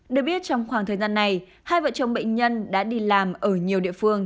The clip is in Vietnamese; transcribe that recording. được biết trong khoảng thời gian này hai vợ chồng bệnh nhân đã đi làm ở nhiều địa phương